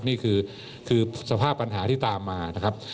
นี่คือสภาพปัญหาที่ตามมานะครับ